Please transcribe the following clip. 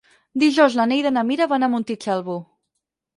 Dijous na Neida i na Mira van a Montitxelvo.